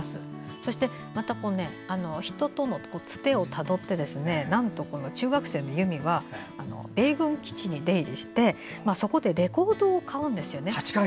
そして、人とのつてをたどってなんと中学生の由実は米軍基地に出入りしてそこでレコードを買うんですよね。